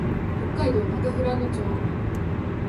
北海道中富良野町